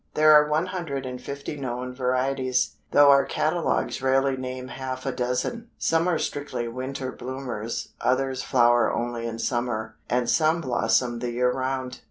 There are one hundred and fifty known varieties, though our catalogues rarely name half a dozen. Some are strictly winter bloomers, others flower only in summer, and some blossom the year round.